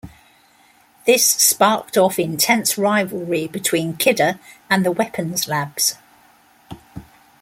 This sparked off intense rivalry between Kidder and the weapons labs.